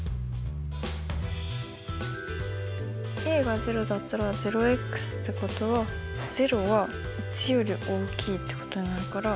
０。が０だったら０ってことは０は１より大きいってことになるから。